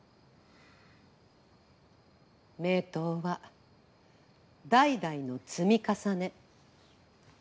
名刀は代々の積み重ね。